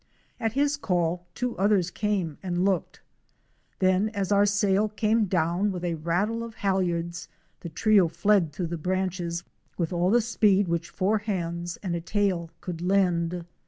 At his call two others came and looked; then, as our sail came down with a rattle of halyards, the trio fled through the branches with all the speed which four hands and a tail could lend.